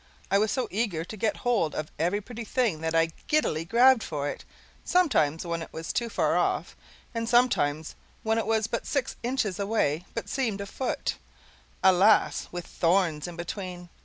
I was so eager to get hold of every pretty thing that I giddily grabbed for it, sometimes when it was too far off, and sometimes when it was but six inches away but seemed a foot alas, with thorns between!